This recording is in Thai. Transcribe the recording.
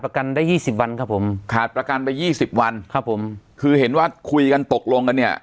กันได้ยี่สิบวันครับผมขาดประกันไปยี่สิบวันครับผมคือเห็นว่าคุยกันตกลงกันเนี่ย